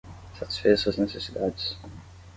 Satisfez suas necessidades